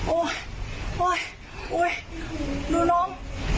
โอ๊ยโอ๊ยโอ๊ยดูน้อง